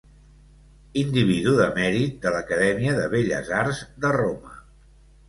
Individu de mèrit de l'Acadèmia de Belles Arts de Roma.